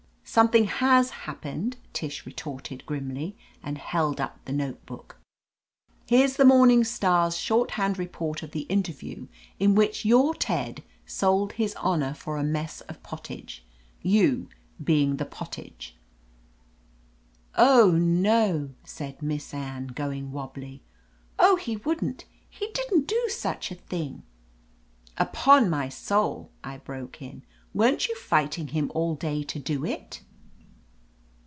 "Something has happened," Tish retorted grimly, and held up the notebook. "Here's the Morning Star's shorthand report of the interview in which your Ted sold his honor for a mess of pottage — ^you being the pot tage." "Oh, no," said Miss Anne, going wobbly. "Oh, he wouldn't — he didn't do such a thing!" "Upon my soul !" I broke in. "Weren't you fighting him all day to do it